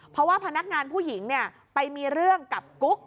เพราะว่าพนักงานผู้หญิงไปมีเรื่องกับกุ๊ก